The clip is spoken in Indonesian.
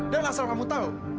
dan asal kamu tahu